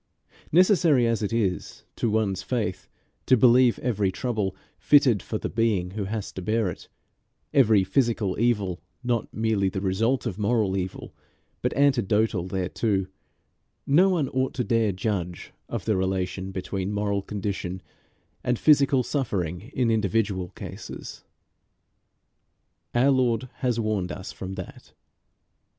Necessary as it is to one's faith to believe every trouble fitted for the being who has to bear it, every physical evil not merely the result of moral evil, but antidotal thereto, no one ought to dare judge of the relation between moral condition and physical suffering in individual cases. Our Lord has warned us from that.